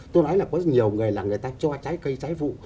tôi nói là có nhiều người là người ta cho trái cây trái vụ